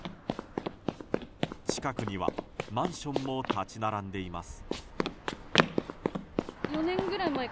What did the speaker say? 近くにはマンションも立ち並んでいます。